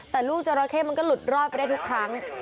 แต่ลูกจราเข้มันก็หลุดรอดไปได้ทุกครั้ง